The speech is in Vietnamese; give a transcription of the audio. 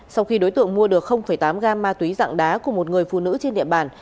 sau khi đối tượng mua được tám gam ma túy dạng đá của một người phụ nữ trên địa bàn